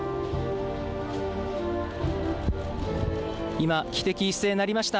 今、汽笛が一斉に鳴りました。